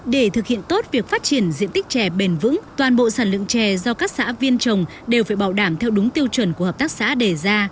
để thực hiện tốt việc phát triển diện tích chè bền vững toàn bộ sản lượng chè do các xã viên trồng đều phải bảo đảm theo đúng tiêu chuẩn của hợp tác xã đề ra